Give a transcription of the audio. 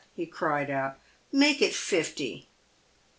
he cried out. " Make it fifty."